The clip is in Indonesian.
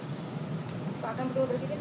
pak akan berjalan begitu pak